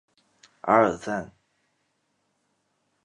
阿尔赞。